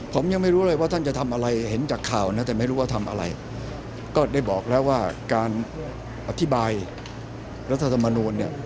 ผมยังไม่รู้เลยว่าท่านจะทำอะไรเห็นจากข่าวนะแต่ไม่รู้ว่าทำอะไรก็ได้บอกแล้วว่าการอธิบายรัฐธรรมนูลเนี่ย